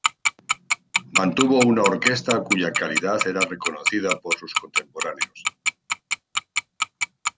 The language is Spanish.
Mantuvo una orquesta cuya calidad era reconocida por sus contemporáneos.